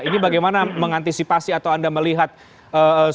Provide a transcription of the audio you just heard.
ini bagaimana mengantisipasi atau anda melihat soal kekecewaan